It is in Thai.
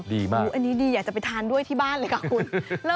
ดีมากอันนี้ดีอยากจะไปทานด้วยที่บ้านเลยค่ะคุณ